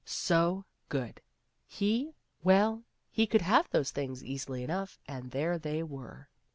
So ; good ! Well, he could have those things easily enough, and there they were.